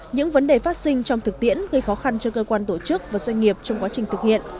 những vấn đề phát sinh trong thực tiễn gây khó khăn cho cơ quan tổ chức và doanh nghiệp trong quá trình thực hiện